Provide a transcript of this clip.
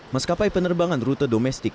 maskapai penerbangan rute domestik